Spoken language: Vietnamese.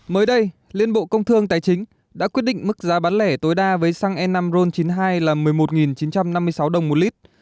mới đây liên bộ công thương tài chính đã quyết định mức giá bán lẻ tối đa với xăng e năm ron chín mươi hai là một mươi một chín trăm năm mươi sáu đồng một lít